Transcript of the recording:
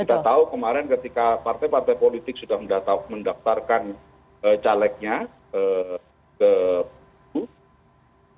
kita tahu kemarin ketika partai partai politik sudah mendaftarkan calegnya ke publik